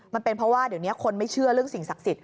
มันเป็นเพราะว่าเดี๋ยวนี้คนไม่เชื่อเรื่องสิ่งศักดิ์สิทธิ